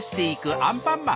アンパンマン！